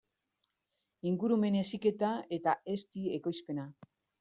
Ingurumen heziketa eta ezti ekoizpena.